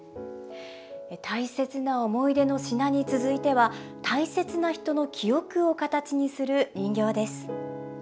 大切な思い出の品に続いては大切な人の記憶を形にする人形です。